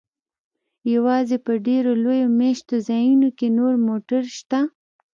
یوازې په ډیرو لویو میشت ځایونو کې نور موټر شته